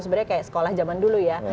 sebenarnya kayak sekolah zaman dulu ya